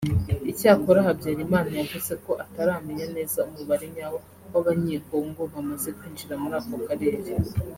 Icyakora Habyarimana yavuze ko ataramenya neza umubare nyawo w’Abanye-Congo bamaze kwinjira muri ako karere